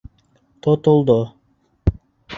Тотолдо!